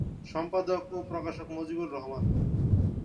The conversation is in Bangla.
সম্পাদক ও প্রকাশক মুজিবুর রহমান।